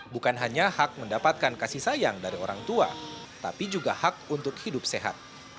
bukan hanya hak mendapatkan kasih sayang dari orang tua tapi juga hak untuk hidup sehat